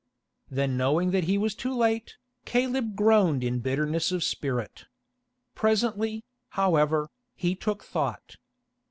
Then knowing that he was too late, Caleb groaned in bitterness of spirit. Presently, however, he took thought.